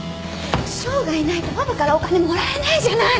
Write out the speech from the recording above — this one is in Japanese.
翔がいないとパパからお金もらえないじゃない！